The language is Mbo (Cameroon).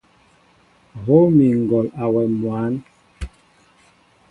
Hów mi ŋgɔl awɛm mwǎn.